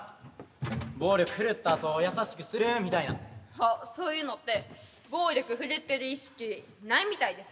あっそういうのって暴力振るってる意識ないみたいですね。